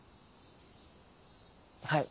はい。